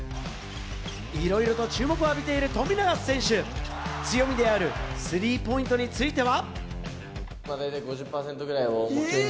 いろいろと注目を浴びている富永選手、強味であるスリーポイントについては。